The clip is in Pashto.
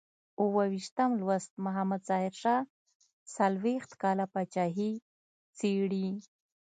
اوو ویشتم لوست محمد ظاهر شاه څلویښت کاله پاچاهي څېړي.